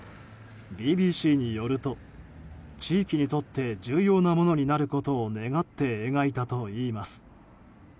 ＢＢＣによると、地域にとって重要なものになることを願って描いたといいます。